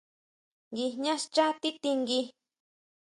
Guijñá xchá tití ngui.